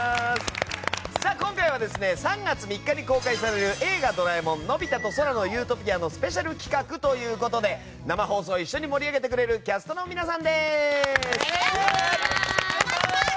今回は、３月３日に公開される「映画ドラえもんのび太と空の理想郷」のスペシャル企画ということで生放送を一緒に盛り上げてくれるキャストの皆さんです。